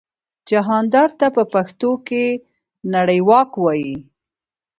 جهاندار ته په پښتو کې نړیواک وايي.